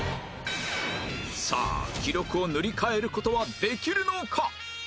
さあ記録を塗り替える事はできるのか？